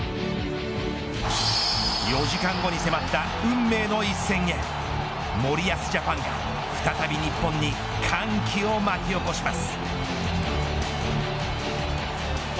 ４時間後に迫った運命の一戦へ森保ジャパンが再び日本に歓喜を巻き起こします。